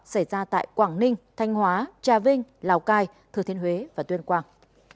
xảy ra tại quảng ninh thanh hóa trà vinh lào cai thừa thiên huế và tuyên quang